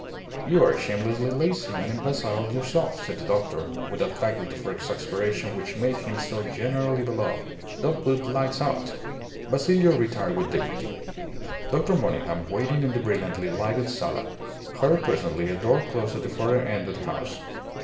"You are shamelessly lazy and imbecile yourself," said the doctor, with that faculty for exasperation which made him so generally beloved. "Don't put the lights out." Basilio retired with dignity. Dr. Monygham, waiting in the brilliantly lighted sala, heard presently a door close at the further end of the house.